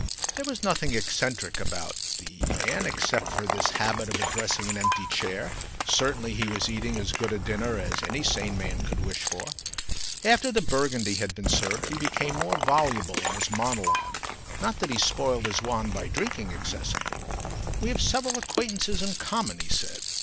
There was nothing eccentric about the man except for this habit of addressing an empty chair, certainly he was eating as good a dinner as any sane man could wish for. After the Burgundy had been served he became more voluble in his monologue, not that he spoiled his wine by drinking excessively. "We have several acquaintances in common," he said.